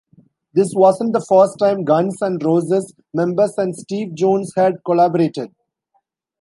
This wasn't the first time Guns N' Roses members and Steve Jones had collaborated.